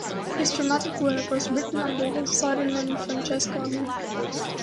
His dramatic work was written under the pseudonym Francisco Enrique.